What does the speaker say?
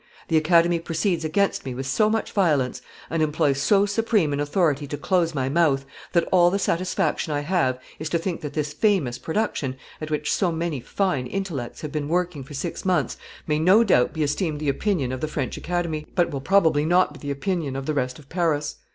"The Academy proceeds against me with so much violence, and employs so supreme an authority to close my mouth, that all the satisfaction I have is to think that this famous production, at which so many fine intellects have been working for six months, may no doubt be esteemed the opinion of the French Academy, but will probably not be the opinion of the rest of Paris.